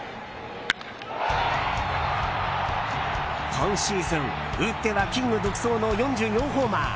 今シーズン、打ってはキング独走の４４ホーマー。